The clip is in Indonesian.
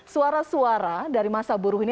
suara suara dari masa buruh ini